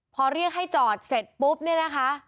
พอเรียกให้จอดเสร็จปุ๊บเนี่ยนะคะ